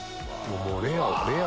もうレア。